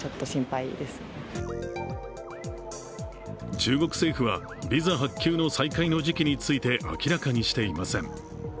中国政府はビザ発給の再開の時期について明らかにしていません。